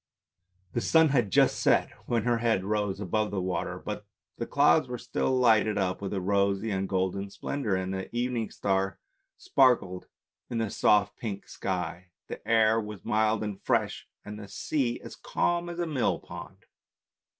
The sun had just set when her head rose above the water, but the clouds were still lighted up with a rosy and golden splendour, and the evening star sparkled in the soft pink sky, the air was mild and fresh, and the sea as calm as a millpond.